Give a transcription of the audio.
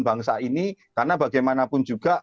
bangsa ini karena bagaimanapun juga